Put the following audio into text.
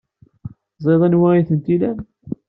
Teẓriḍ anwa ay tent-ilan.